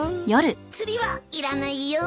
「釣りはいらないよ」